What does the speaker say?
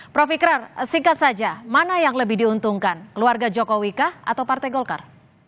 prof ikrar singkat saja mana yang lebih diuntungkan keluarga jokowi kah atau partai golkar